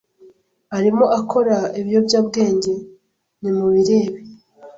arimo akora ibiyobyabwenge?nimubirebe